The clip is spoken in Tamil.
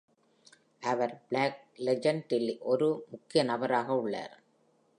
அவர் "பிளாக் லெஜண்ட்" இல் ஒரு முக்கிய நபராக உள்ளார்.